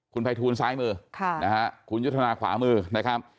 คุณภัยทูลซ้ายมือนะฮะคุณยุทธนาขวามือนะครับ